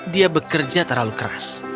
dia bekerja terlalu keras